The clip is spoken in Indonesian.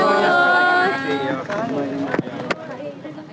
terima kasih pak jokowi